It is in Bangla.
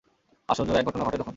আশ্চর্য এক ঘটনা ঘটে তখন।